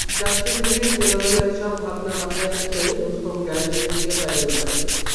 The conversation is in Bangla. যাত্রীবিহীন এলোমেলো এসব ভাবনা মাথায় আসতেই রুস্তম গ্যারেজের দিকে প্যাডেল মারে।